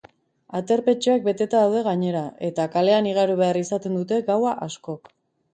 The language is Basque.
Aterpetxeak beteta daude gainera, eta kalean igaro behar izaten dute gaua askok.